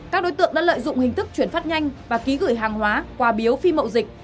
các đối tượng đã lợi dụng hình thức chuyển phát nhanh và ký gửi hàng hóa qua biếu phim mậu dịch